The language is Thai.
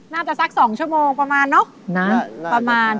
น่าจะสัก๒ชั่วโมงประมาณเนอะ